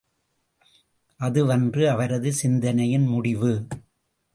அதுவன்று அவரது சிந்தனையின் முடிவு.